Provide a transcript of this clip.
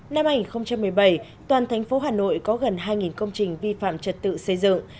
năm hai nghìn một mươi bảy toàn thành phố hà nội có gần hai công trình vi phạm trật tự xây dựng